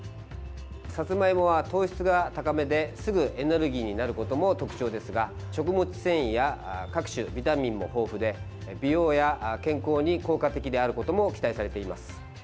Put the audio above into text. さつまいもは糖質が高めですぐエネルギーになることも特徴ですが、食物繊維や各種ビタミンも豊富で美容や健康に効果的であることも期待されています。